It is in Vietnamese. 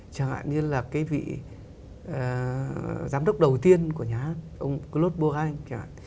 chẳng hạn như là cái vị giám đốc đầu tiên của nhà hát ông claude bourgagne